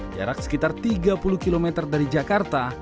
jarak sekitar tiga puluh km dari jakarta